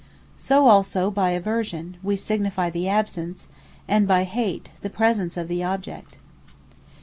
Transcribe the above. So also by Aversion, we signifie the Absence; and by Hate, the Presence of the Object.